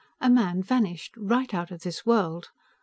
A man vanished right out of this world.